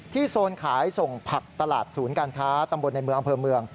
โซนขายส่งผักตลาดศูนย์การค้าตำบลในเมืองอำเภอเมือง